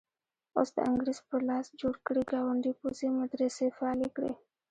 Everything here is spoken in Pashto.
اوس د انګریز په لاس جوړ کړي ګاونډي پوځي مدرسې فعالې کړي.